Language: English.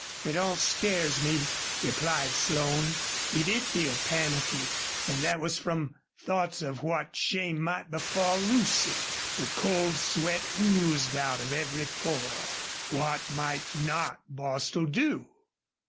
"It all scares me," replied Slone. He did feel panicky, and that was from thoughts of what shame might befall Lucy. The cold sweat oozed out of every pore. What might not Bostil do?